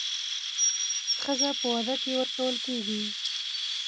ښځه په واده کې ورکول کېږي